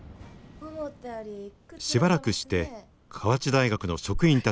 しばらくして河内大学の職員たちがやって来ました。